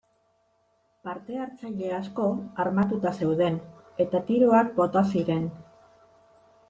Parte-hartzaile asko armatuta zeuden eta tiroak bota ziren.